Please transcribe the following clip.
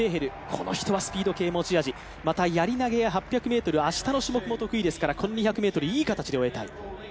この人はスピード系持ち味、やり投げも得意ですから明日の種目も得意ですから、この２００ｍいい形で終えたい。